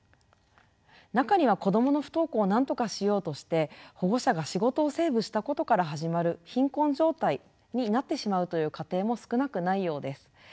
中には子どもの不登校をなんとかしようとして保護者が仕事をセーブしたことから始まる貧困状態になってしまうという家庭も少なくないようです。